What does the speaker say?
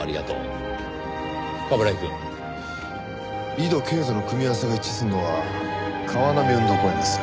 緯度経度の組み合わせが一致するのは川並運動公園です。